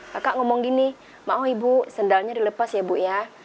bapak ngomong gini mau ibu sendalnya dilepas ya bu ya